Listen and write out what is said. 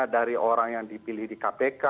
dari orang yang dipilih di kpk